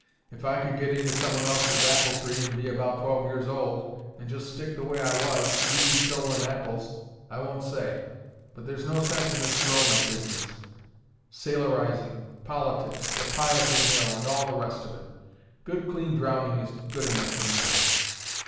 If I could get into some one else's apple tree, and be about twelve years old, and just stick the way I was, eating stolen apples, I won't say. But there's no sense in this grown up business sailorising, politics, the piety mill, and all the rest of it. Good clean drowning is good enough for me."